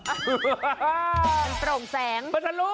มันตรงแสง